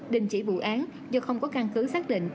đình chỉ vụ án do không có căn cứ xác định